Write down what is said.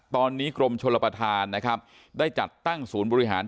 ตอนนี้กรมชลประธานนะครับได้จัดตั้งศูนย์บริหาร